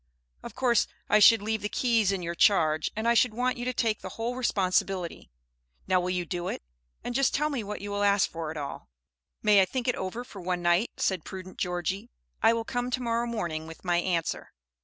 Of course I should leave the keys in your charge, and I should want you to take the whole responsibility. Now, will you do it, and just tell me what you will ask for it all?" "May I think it over for one night?" said prudent Georgie. "I will come to morrow morning with my answer."